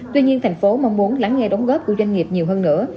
tuy nhiên tp hcm mong muốn lắng nghe đóng góp của doanh nghiệp nhiều hơn nữa